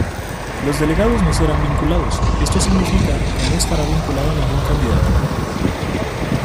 Los delegados no serán vinculados; Esto significa que no estará vinculado a ningún candidato.